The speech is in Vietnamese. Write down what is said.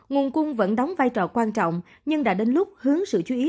nguồn cung vẫn đóng vai trò quan trọng nhưng đã đến lúc hướng sự chú ý